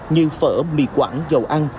như phở mì quảng dầu ăn